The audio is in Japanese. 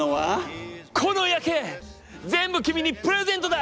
この夜景全部君にプレゼントだ！